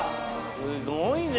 すごいね。